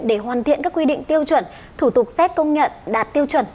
để hoàn thiện các quy định tiêu chuẩn thủ tục xét công nhận đạt tiêu chuẩn